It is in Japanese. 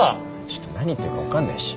ちょっと何言ってるか分かんないし。